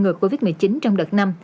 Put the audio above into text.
ngược covid một mươi chín trong đợt năm